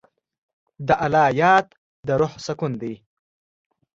د الله یاد د روح سکون دی.